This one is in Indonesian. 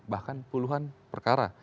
bahkan puluhan perkara